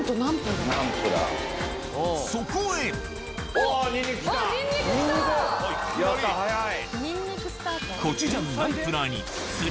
そこへやった早い。